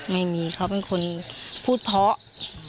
ไม่มีเขาเป็นคนพูดเพราะ